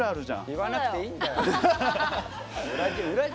言わなくていいんだよ。